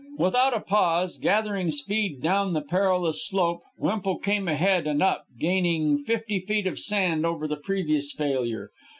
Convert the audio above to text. Without pause, gathering speed down the perilous slope, Wemple came ahead and up, gaining fifty feet of sand over the previous failure.